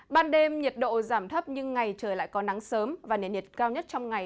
ban đêm nhiệt độ giảm thấp nhưng ngày trời lại có nắng sớm và nền nhiệt cao nhất trong ngày